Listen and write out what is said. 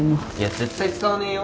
絶対使わねえよ。